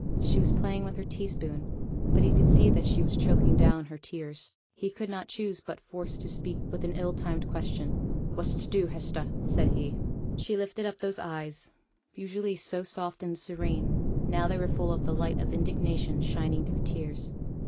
She was playing with her teaspoon, but he could see that she was choking down her tears; he could not choose but force her to speak with an ill timed question. 'What's to do, Hester?' said he. She lifted up those eyes, usually so soft and serene; now they were full of the light of indignation shining through tears.